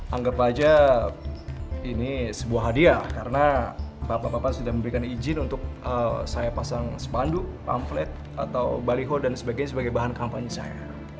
anggap aja ini sebuah hadiah karena bapak bapak sudah memberikan izin untuk saya pasang spanduk pamflet atau baliho dan sebagainya sebagai bahan kampanye saya